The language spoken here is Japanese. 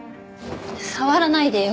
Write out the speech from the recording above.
触らないでよ。